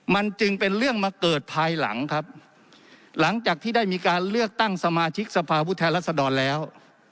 มันจึงเป็นเรื่องมาเกิดภายหลังครับหลังจากที่ได้มีการเลือกตั้งสมาชิกสภาพุทธแทนรัศดรแล้ว